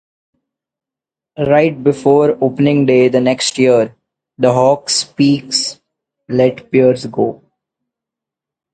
Right before opening day the next year, the Hawks let Pierce go.